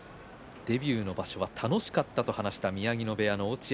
デビューの場所は楽しかったと話しています、落合。